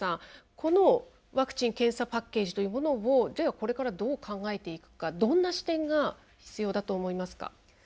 このワクチン検査パッケージというものをじゃあこれからどう考えていくかどんな視点が必要だと思いますか。